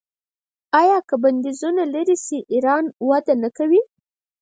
آیا که بندیزونه لرې شي ایران وده نه کوي؟